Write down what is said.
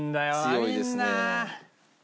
強いですね。